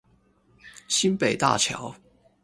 新北大橋